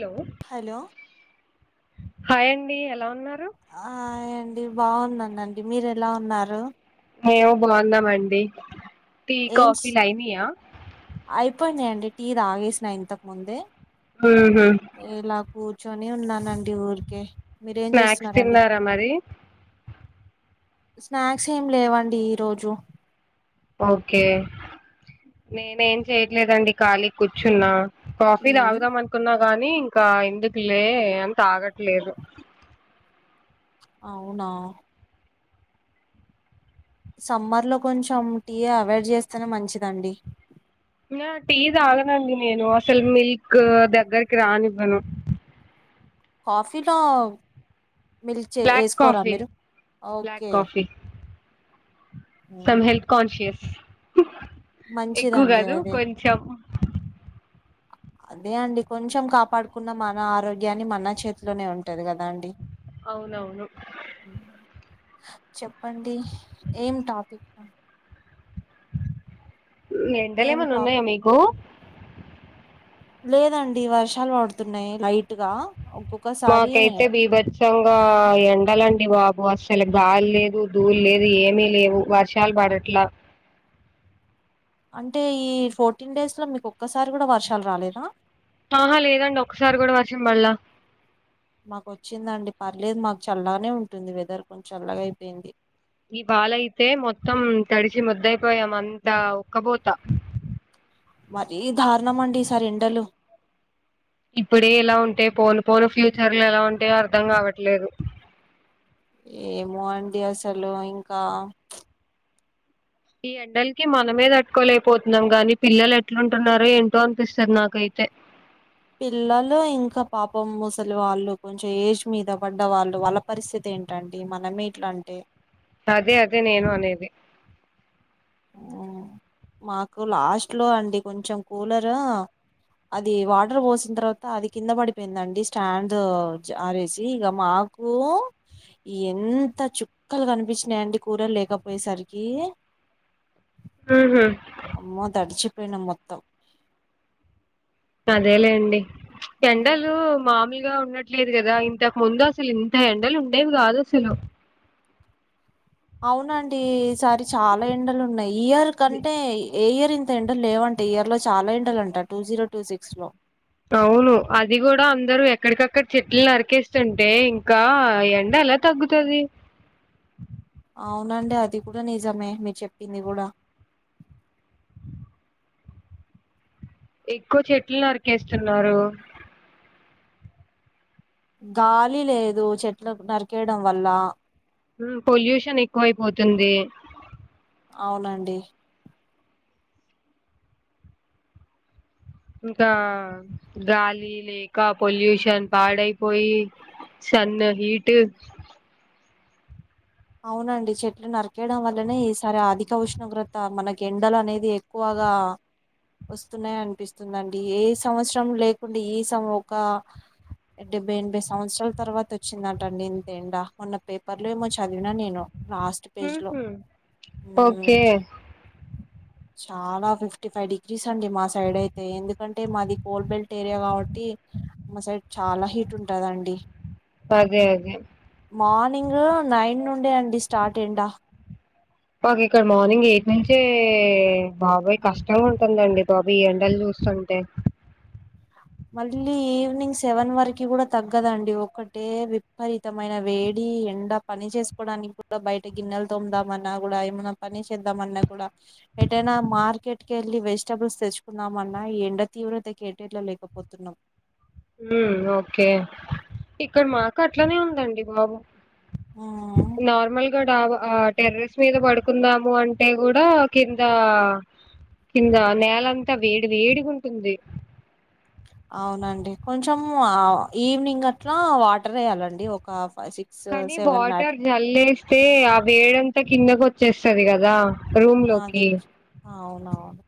Hello hello hi అండి ఎలా ఉన్ ఆ అండి బాగున్నానండి మీరు ఎలా ఉన్నారు మేవు బావున్నామండి టీ కాఫీ లైనయా అయిపోయినయండి టీ తాగేసిన ఇంతకు ముందే ఊహు ఇలా కూర్చొని ఉన్నానండి ఊరికే మీరేం స్నాక్స్ చేస్తున్నారండి తిన్నారా మరి స్నాక్స్ ఏం లేవండి ఈ రోజు ఓకే నేనేం చెయట్లేదండి ఖాళీ కూర్చున్నా కాఫీ తాగుదామనుకున్న గానీ ఇంకా ఎందుకులే అని తాగట్లేదు. అవునా సమ్మర్ లో కొంచెం టీ అవాయిడ్ చేస్తేనే మంచిదండి నా టీ తాగనండి నేను అసలు మిల్క్ దగ్గరికి రానివ్వను కాఫీ లో మిల్క్ చే బ్లాక్ వేసుకోరా కాఫీ మీరు ఓకే మ్మ్. తం హెల్త్ కాన్షియస్ ఎక్కు మంచిదండి కాదు కొంచెం అ అదే అండి కొంచెం కాపాడుకున్న మన ఆరోగ్యాన్ని మన చేతిలోనే ఉంటది కదా అండి అవునవును చెప్పండి ఏం టాపిక్ ఎండలు ఏం ఏమన్నా ఉన్నాయా టాపిక్ మీకు లేదండి వర్షాలు పడుతున్నాయి లైట్గా మాకైతే బీభచ్చంగా ఎండాలండి బాబు అసలు అసల గాలి లేదు ధూలీ లేదు ఏమి లేవు వర్షాలు పడట్లా అంటే ఈ ఫోర్టీన్ డేస్ లో మీకు ఒక్కసారి కూడా వర్షాలు రాలేదా ఆహా లేదండి ఒక్కసారి కూడా వర్షం బళ్ళ మాకు వచ్చిందండి పర్లేదు మాకు చల్లగానే ఉంటుంది. వెదర్ కొంచెం చల్లగా అయిపోయింది. ఈ వాలయితే మొత్తం తడిచి ముద్దయిపోయాం అంతా ఉక్కబోతా హ్ మరీ దారుణం అండి. ఈ సారి ఎండలు ఇప్పుడే ఇలా ఉంటే పోను పోను ఫ్యూచర్ లో ఎలా ఉంటయో అర్థం కావట్లేదు ఏమో అండి అసలు ఇంకా ఈ ఎండలకి మనమే తట్కోలేకపోతున్నాం. కాని పిల్లలు ఎట్లుంటున్నారో ఏంటో అనిపిస్తుంది. నాకైతే తే పిల్లలు ఇంకా పాపం ముసలి వాళ్ళు కొంచెం ఏజ్ మీద పడ్డ వాళ్ళు వాళ్ళ పరిస్థితి ఏం ఏంటండి మనమే ఇట్లా అంటే అదే అదే నేను అనేది ఉమ్, మాకు లాస్ట్ లో అండి కొంచెం కూలరు అది వాటర్ పోసిన తర్వాత అది కింద పడిపోయిందండి స్టాండ్ ఆరేసి ఇక మాకు కు ఎంత చుక్కలు కనిపించినాయి అండి కూలర్ లేకపోయేసరికి ఊహు అమ్మో తడిచిపోయినం మొత్తం అదేలేండి ఎండలు మామిలు ఉండట్లేదు కదా ఇంతకు ముందు అసలు ఇంత ఎండలు ఉండేవి కాదు అసలు అవునండి ఈ సారి చాలా ఎండలు ఉన్నాయి ఇయర్ కంటే ఏ ఇయర్ ఇంత ఎండలు లేవంట ఇయర్ లో చాలా ఎండాలంట టూ జీరో టూ సిక్స్ లో అవును అది కూడా అందరు ఎక్కడికక్కడ చెట్లు నరికేస్తుంటే ఇంకా ఏండ ఎలా తగ్గుతది అవునండి అది కూడా నిజమే మీరూ చెప్పింది కూడా ఎక్కువ చెట్లు నరికేస్తున్నారు గాలి లేదు చెట్లకు నరికేయడం వల్ల హ్ పొల్యూషన్ ఎక్కువైపోతుంది. అవునండి ఇంకా గాలి లేక పొల్యూషన్ పాడైపోయి సన్ హీట్ అవునండి చెట్లు నరికేయడం వల్లనే ఈ సరి అధిక ఉష్ణోగ్రత మనకి ఎండలు అనేది ఎక్కువ గా వస్తున్నాయి అనిపిస్తుందండి ఏ సంవత్సరం లేకుండా ఈ సంవస్సరం ఒక డెబ్బై ఎనభై సంవత్సరాల తర్వాత వచ్చిందటండి ఇంత ఎండా మొన్న పేపర్లో ఏమో చూ చదివినా నేను లాస్ట్ పేజ్ లో ఓకే. చాలా ఫిఫ్టిఫైవ్ డిగ్రీస్ అండి మా సైడ్ అయితే ఎందుకంటే మాది కోల్ బెల్ట్ ఏరియా కాబట్టి ఇ మా సైడ్ చాలా హీట్ ఉంటదండి అదే అదే మార్నింగ్ నైన్ నుండే అండి స్టార్ట్ ఎండ మాకు ఇక్కడ మార్నింగ్ ఎయిట్ నుంచే బాబోయి కష్టంగా ఉంటుందండి బాబోయి ఎండలు చూస్తు స్తుంటే మళ్ళీ ఈవినింగ్ సెవెన్ వరకి కూడా తగ్గదండి ఒకటే విపరీతమైన వేడి ఈ ఎండా పని చేసుకోవడానికి కూడా బయట గిన్నెలు తొందమన్న కూడా ఏమన్నా పని చేద్దామన్నా కూడా ఏటైనా మార్కెట్ కెళ్ళి వెజిటబుల్స్ తెచ్చుకున్నామన్నా ఎండ తీవ్రత కి ఏటేళ్లేక పొతున్నాం ఉమ్ ఓకే ఇక్కడ మాకు అట్లనే ఉందండి బాబు ఉమ్ నార్మల్గా డాబా ఆ టెర్రస్ మీద పడుకుందాము అంటే కూడా కింద కింద నేలంతా వేడి వేడిగా ఉంటుంది అవునండి కొంచెం ఆ ఈవినింగ్ అట్లా వాటర్ వేయాలండి ఒక ఫైవ్ సిక్స్ కానీ సెవెన్ నాట్ వాటర్ జల్లేస్తే ఆ వేడంతా కిందకి వచ్చేస్తది కదా రూమ్ ఆది లోకి అవునవును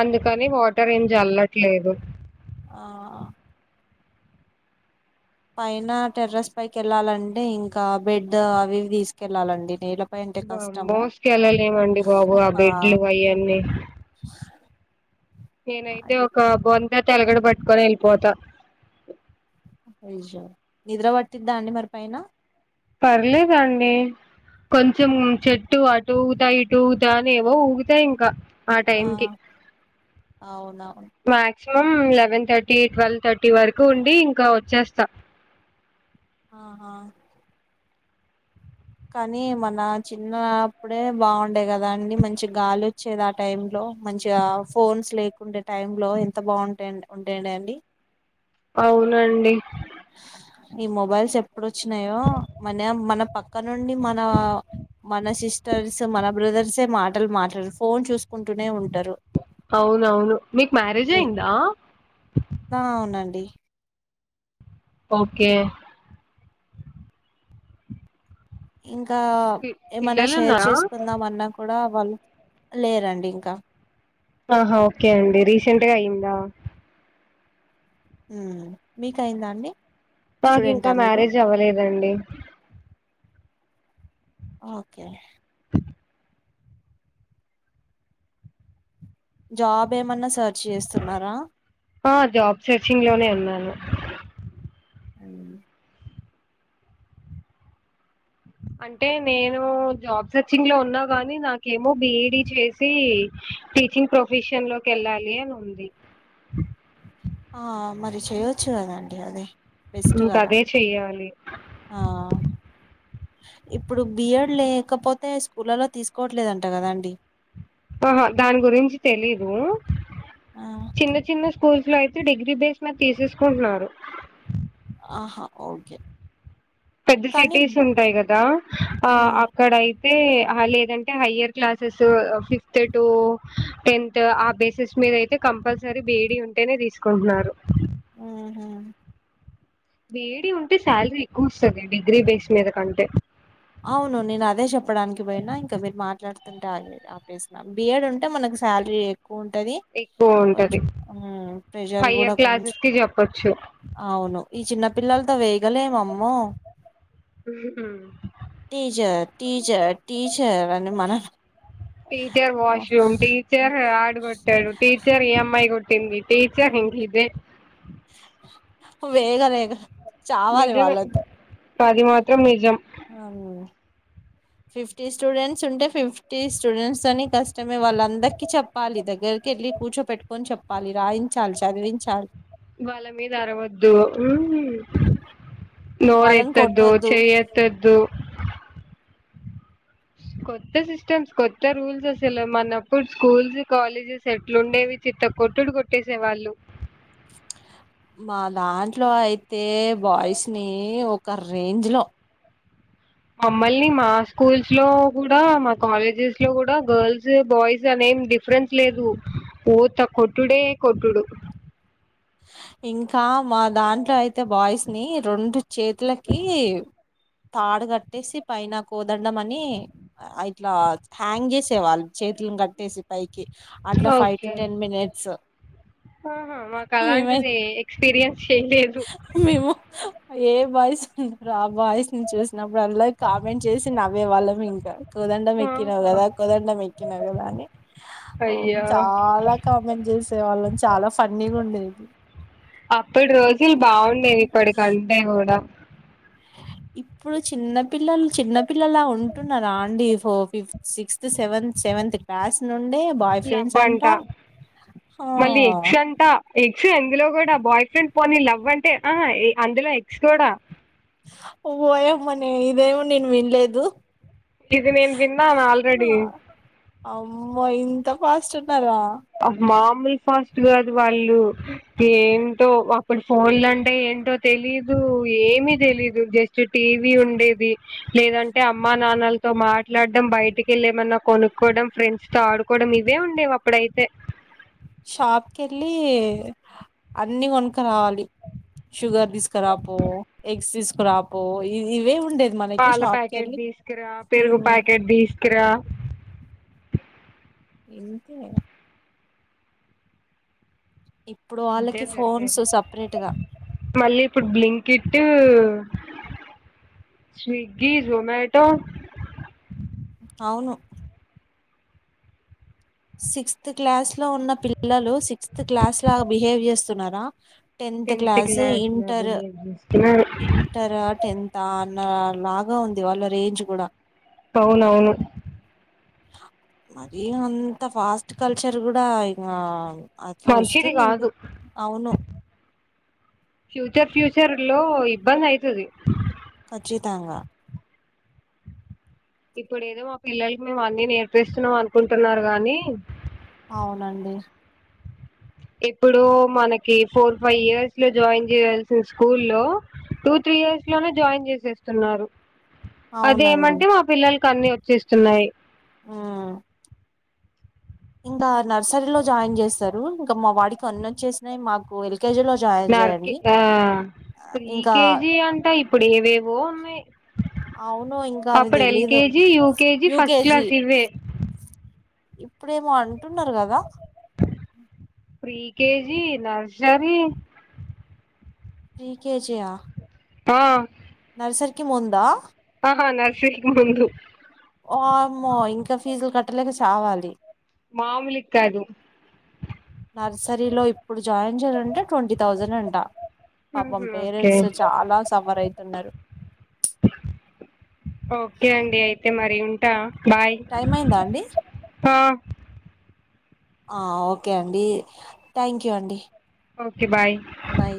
అందుకని వాటర్ ఏం జల్లట్లేదు ఆ పైన టెర్రస్ పైకి వెళ్ళాలంటె ఇంకా బెడ్ అవి ఇ వి తీసుకెళ్ళాలండి నీల బా మోస్కి వెళ్ళలేమండి బాబు ఆ బేడ్లు అయన్నీ నేనైతే అది ఒక బొంత తలగడ పట్టుకొని వెళ్ళిపోతా నిద్ర పట్టిద్దా అండి మరి పైన పర్లేదండి కొంచెం చెట్టు అటు ఉగుతా ఇటు ఉగుతా అని ఏవో ఊగుతా ఇంకా ఆ టైం కి అవునవును మా maximum eleven thirty twelve thirty వరకు ఉండి ఇంకా వచ్చేస్తా ఆహా కానీ మన చిన్నప్పుడే బాగుండేది గా అండి మంచి గాలి వచ్చేది ఆ టైమ్ లో మంచిగా ఫోన్స్ లేకుండే టైమ్ లో ఎంత బాగుంటా ఉంటాడి అండి అవునండి ఈ మొబైల్స్ ఎప్పుడు వచ్చినాయో మనే మన పక్క నుండి మన మన సిస్టర్స్ మన బ్రదర్స్ యే మాటలు మాట్లాడు ఫోన్ చూసుకు కుంటూనే ఉంటారు అవునవును మీకు మ్యారేజ్ ఏ అయిందా ఆ అవునండి ఓకే ఇంకా ఏమన్నా పిల్లలు షేర్ ఉన్నారా చేసుకుందాం అన్నా కూడా వాళ్ళు లేరండి ఇంకా ఆహా ఓకే అండి రీసెంట్గా అయ్యందా ఉం మీకయిందా అండి నాకు ఇంకా స్టూడెంటా మీరు మ్యారేజ్ అవ్వలేదండి ఓకే జాబ్ ఏమన్నా సర్చ్ ఆ జాబ్ సెర్చింగ్ లోనే ఉన్నాను అవును అంటే నేను జాబ్ సర్చింగ్ లో ఉన్నా గాని నాకేమో బిఈడి చేసి టీచింగ్ ప్రొఫెషన్ లోకి వెళ్ళాలి అని ఉంది ఆ మరి చేయొచ్చు కదండి అదే బెస్ట్ ఇంక కదా అదే చెయ్యాలి ఆ ఇప్పుడు బిఎడ్ లేకపోతే స్కూళ్లలో తీసుకోవట్లేదుంట కదాండి ఆహా దాని గురించి తెలీదు చిన్న చిన్న స్కూల్స్ లో అయితే డిగ్రీ బేస్ మీద తీసేసుకుంటున్నారు ఆహా ఓకే పెద్ద కానీ సిటీస్ ఉంటాయి కదా ఆ ఉమ్ అక్కడయి లేదంటే higher classes fifth to tenth ఆ బేసిస్ మీ మీదయితే కంపల్సరీ బేడి ఉంటేనే తీసుకుంటున్నారు ఆహ వేడి ఉంటే శాలరీ ఎక్కువ వస్తుంది డిగ్రీ బేస్ మీద కంటే అవును నేను అదే చెప్పడానికి పోయినా ఇంకా మీరు మాట్లాడుతుంటే ఆ ప్లేస్ బియడ్ ఉంటే మనకు సాలరి ఎక్కువ ఉంటది ఎక్కువ ఉంటది. కొంచం ప్రెషర్ ఫైవ్ ఇయర్ కూడా క్లాసెస్ కొంచం కి చెప్పొచ్చు అవును ఈ చిన్న పిల్లలతో వేయగలేమమ్మో ఉహు టీచర్ టీచర్ టీచర్ అని మన టీచర్ వాష్రూమ్ టీచర్ ఆడు కొట్టాడు టీచర్ ఈ అమ్మాయి కొట్టింది టీచర్ ఇంక ఇదే వేగాలేక చావాలి నిజమే వాళ్ళతో అది మాత్రం నిజం అవు ఫిఫ్టీ స్టూడెంట్స్ ఉంటే ఫిఫ్టీ స్టూడెంట్స్ తని కష్టమే వాళ్ళ అందరికి చెప్పాలి దగ్గర దగ్గరికి వెళ్ళి కూర్చో పెట్టుకొని చెప్పాలి రాయించాలి చదివించాలి వాళ్ళ మీద అరవద్దు నోరు వాళ్ళని ఎత్తదు కొట్టొద్దు చెయ ఎత్తదు కొత్త సిస్టమ్స్ కొత్త రూల్స్ అసలు మనప్పుడు స్కూల్స్ కాలేజెస్ ఎట్లుండేవి చిత్త కొట్టుడు కొట్టేసేవాళ్ళు మా దాంట్లో అయితే బాయ్స్ ని ఒక రేంజ్ లో మమ్మల్ని మా స్కూల్స్ లో కూడా మా కాలేజెస్ లో కూడా గర్ల్స్ బాయ్స్ అనే ఏం డిఫరెన్స్ లేదు ఊత కొట్టుడే కొట్టుడు ఇంకా మా దాంట్లో అయితే బాయ్స్ ని రెండు చేతులకి తాడు కట్టేసి పైన కో వద్దడం అని ఇట్లా హ్యాంగ్ చేసేవాళ్ళు చేతులను కట్టేసి పైకి అట్లా five okay to ten minutes ఆహా మాకు మే అలాంటిది ఎక్స్పీరియన్స్ చేయలేదు మేము ఏ బాయిస్ ఉంటారు ఆ బాయిస్ ను చూస్త చిన్నప్పుడు అల్ కామెంట్ చేసి నవ్వేవాళ్ళం ఇంకా కుదండం ఎక్కినావు ఆహా కదా కోదండం ఎక్కినావ్ కదా ఓ అయ్యో చాలా కామెంట్ చేసే వాళ్ళని చాలా ఫన్నీగా ఉండేది అప్పటి రోజులు బాగుండేవి ఇప్పటికంటే కూడా ఇప్పుడు చిన్న పిల్లలు చిన్నపిల్లలు ఉంటున్నారా అండి ఫో fifth sixth fifth seventh seventh class నుండే బాయ్ లవ్ ఫ్రెండ్స్ అంట అంటా ఆ మళ్ళీ ఎక్స అంట ఎ అందులో కూడా బాయ్ ఫ్రెండ్ పోని లవ్ అంటే అహ అందులో ఎక్స్ కూడా ఓయమ్మనే ఇదేమో నేను వినలేదు ఇది నేను విన్నాను ఆల్రెడీ అమ్మో ఇంత ఫస్ట్ ఉన్నారా మామూలు ఫాస్ట్ కాదు వాళ్ళు ఏంటో అప్పుడు ఫోన్లు అంటే ఏ ఏంటో తెలీదు ఏమి తెలీదు జస్ట్ టీవీ ఉండేది లేదంటే అమ్మా నాన్న పిల్లలతో మాట్లాడడం బయటికి వెళ్లి ఏమన్నా కొనుక్కవడం ఫ్రెండ్స్ తో ఆడుకోవడం ఇవే ఉండేవి అప్పుడైతే షాప్కెళ్లి అన్ని కొనుక్ రావాలి షుగర్ తీసుకురాపో ఎగ్స్ తీసుకురాపో ఇవే ఉండేవి మనకి పాల షాప్ ప్యాకెట్ పేర్లు తీసుకురా పెరుగు ప్యాకెట్ తీసుకురా ఎంతే ఇప్పుడు ఇంతే వాళ్ళకి ఫోన్స్ జరిగేది సపరేట్ గా మళ్ళీ ఇప్పుడు బ్లింకిట్ టూ స్విగ్గీ జొమాటో అవును సిక్స్త్ క్లాస్ లో ఉన్న పిల్లలు సిక్స్త్ క్లాస్ లాగా బిహేవ్ చేస్తున్నారా టెన్త్ క్లాస్ లో ఇంటర్ బిహేవ్ చేస్తున్నారు ఇంటరా టెన్త్ ఆ నా లాగా ఉంది వాళ్ళ రేంజ్ కూడా అవునవును మరి అంత ఫాస్ట్ కల్చర్ కూడా ఇంగా మంచిది కాదు ఫ్యూచర్ ఫ్యూచ చర్ లో ఇబ్బంది అయితది కచ్చితంగా ఇప్పుడు ఏదో మా పిల్లలకి మేము అన్ని నేర్పిస్తున్నాం అనుకుంటున్నారు గాని అవునండి ఇప్పుడు మనకి ఫోర్ ఫైవ్ ఇయర్స్ లో జాయిన్ చేయాల్సిన స్కూల్లో టూ త్రీ ఇయర్స్ లోనే జాయిన్ చేసేస్తున్నారు అవునండి అదేమంటే మా పిల్లలకు అన్ని వచ్చేస్తున్నాయి మ్మ్ ఇంగా నర్సరీలో జాయిన్ చేస్తారు ఇంకా మా వాడికి అన్ని వచ్చేసినాయి మాకు వెల్ నార్కి ఆ ఆ, ఇంకా ప్రీకేజీ అంట ఇప్పుడు ఏవేవో ఉన్నాయి అవును ఇంకా అవి అప్పుడు తెలీదు LKG UKG first UKG class ఇవే ఇప్పుడేమో అంటున్నారు కదా ప్రీకెజీ నర్సరీ ఫ్రీకేజియా ఆ నర్సరికి ముందా ఆ నర్సరీకి ముందు ఓమ్మో ఇంకా ఫీజులు కట్టలేక సావాలి మామూలిక్కాదు నర్సరీ లో ఇప్పుడు జాయిన్ చేయాలంటే ట్వంటీ థౌజండ్ అంట పాపం ఓకే పేరెంట్స్ చాలా సఫర్ అయితున్నారు ఓకే అండి అయితే మరి ఉంటా బాయ్ టైం అయిందా అండి ఆ ఆ ఓకే అండి థ్యాంక్ యూ అండి ఓకే బాయ్ బాయ్